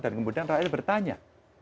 dan kemudian rakyat bertanya